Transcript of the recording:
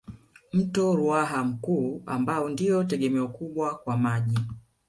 Mto Ruaha mkuu ambao ndio tegemeo kubwa kwa maji